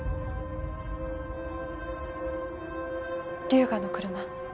龍河の車。